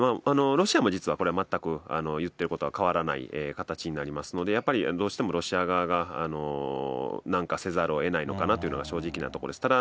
ロシアも実はこれ、全く言ってることは変わらない形になりますので、やっぱり、どうしてもロシア側がなんかせざるをえないのかなっていうのが、正直なところです。